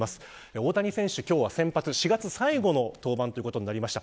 大谷選手は先発、４月最後の登板ということになりました。